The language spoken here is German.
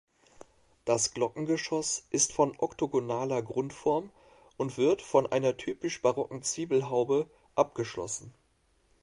Das Glockengeschoss ist von oktogonaler Grundform und wird von einer typisch barocken Zwiebelhaube abgeschlossen.